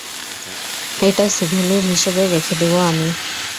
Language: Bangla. এটা স্যুভেনির হিসেবে রেখে দেবো আমি।